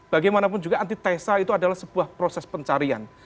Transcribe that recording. bagaimanapun juga antitesa itu adalah sebuah proses pencarian